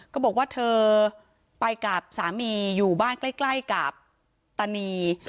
ก็บอกว่าเธอไปกับสามีอยู่บ้านใกล้กับตานี